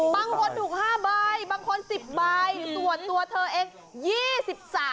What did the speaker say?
บางคนถูก๕ใบบางคน๑๐ใบส่วนตัวเธอเอง๒๓บาท